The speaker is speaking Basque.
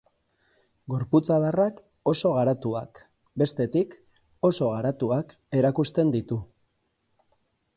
Gorputz adarrak oso garatuak, bestetik, oso garatuak erakusten ditu.